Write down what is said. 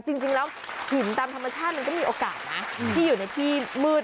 จริงแล้วหินตามธรรมชาติมันก็มีโอกาสนะที่อยู่ในที่มืด